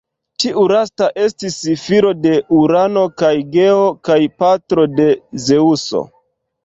Tiu lasta estis filo de Urano kaj Geo, kaj patro de Zeŭso.